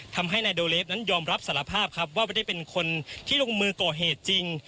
ทำให้นายโดเลฟนั้นยอมรับสารภาพครับว่าไม่ได้เป็นคนที่ลงมือก่อเหตุจริง